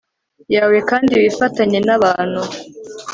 yawe kandi wifatanye n abantu